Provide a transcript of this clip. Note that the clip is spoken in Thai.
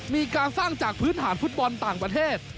มีการสร้างจากพื้นฐานฟุตบอลต่างประเทศ